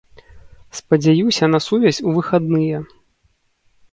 Спадзяюся на сувязь у выхадныя.